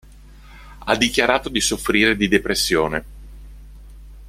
Ha dichiarato di soffrire di depressione.